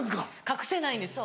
隠せないんです。